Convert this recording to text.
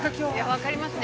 ◆分かりますね。